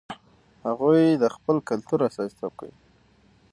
هغوی د خپل کلتور استازیتوب کوي.